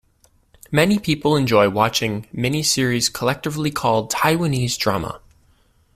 Many people enjoy watching miniseries collectively called Taiwanese drama.